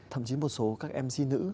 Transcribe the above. thậm chí một số các mc nữ